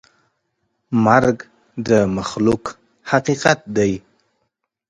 مرګ د مخلوق حقیقت دی.